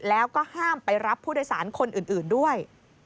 แล้วก็ห้ามไปรับผู้โดยสารคนอื่นด้วย